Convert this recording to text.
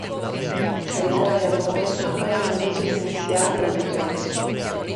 Carità e amore appaiono invece essenziali alla fede.